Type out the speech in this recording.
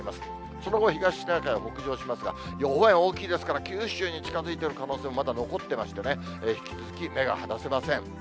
その後、東シナ海を北上しますが、予報円、大きいですから、九州に近づいてる可能性、まだ残ってましてね、引き続き、目が離せません。